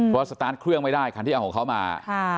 เพราะสตาร์ทเครื่องไม่ได้คันที่เอาของเขามา